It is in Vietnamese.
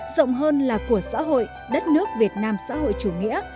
rộng hơn là của xã hội đất nước việt nam xã hội chủ nghĩa